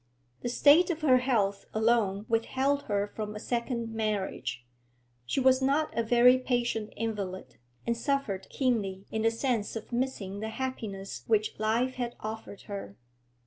The state of her health alone withheld her from a second marriage; she was not a very patient invalid, and suffered keenly in the sense of missing the happiness which life had offered her.